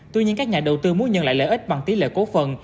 tuy nhiên các nhà đầu tư muốn nhận lại lợi ích bằng tỷ lệ cố phần